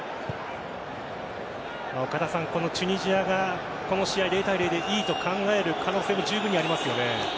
このチュニジアがこの試合０対０でいいと考える可能性も十分にありますよね。